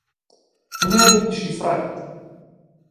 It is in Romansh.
Igl ei era buca pli schi freid!